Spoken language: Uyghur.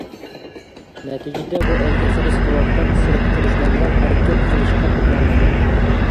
نەتىجىدە، بۇ ئەلگە خىرىس قىلىۋاتقان سىرتقى دۈشمەنلەر ھەرىكەت قىلىشقا پېتىنالمايدۇ.